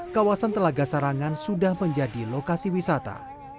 kawasan telaga sarangan sudah menjadi lokasi wisata